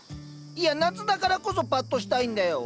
いや夏だからこそパッとしたいんだよ。